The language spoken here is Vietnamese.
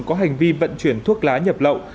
có hành vi vận chuyển thuốc lá nhập lậu